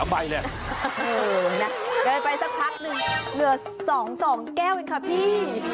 เดินไปสักพักหนึ่งเหลือ๒แก้วเองค่ะพี่